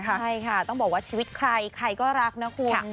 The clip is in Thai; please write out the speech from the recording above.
ใช่ค่ะต้องบอกว่าชีวิตใครใครก็รักนะคุณ